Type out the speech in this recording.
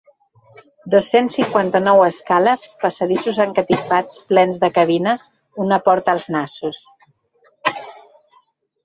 Dos-cents cinquanta-nou escales passadissos encatifats plens de cabines una porta als nassos.